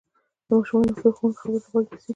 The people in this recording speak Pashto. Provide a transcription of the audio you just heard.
ماشومان د خپلو ښوونکو خبرو ته غوږ نيسي.